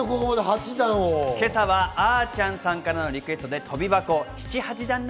今朝はＡ−ｃｈａｎさんからのリクエストで跳び箱です。